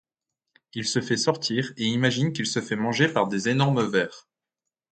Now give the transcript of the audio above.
Il se fait sortir et imagine qu'il se fait manger par des énormes vers.